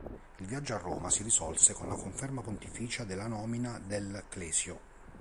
Il viaggio a Roma si risolse con la conferma pontificia della nomina del Clesio.